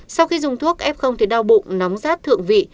sau khi dùng thuốc f thì đau bụng nóng rát thượng vị